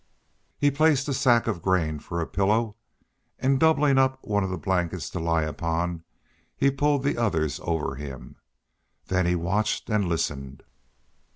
He placed a sack of grain for a pillow, and doubling up one blanket to lie upon, he pulled the others over him. Then he watched and listened.